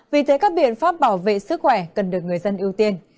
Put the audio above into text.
vì thế các biện pháp bảo vệ sức khỏe cần được người dân ưu tiên